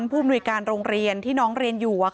ผู้มนุยการโรงเรียนที่น้องเรียนอยู่